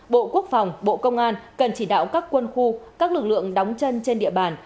bộ quốc phòng bộ công an cần chỉ đạo các quân khu các lực lượng đóng chân trên địa bàn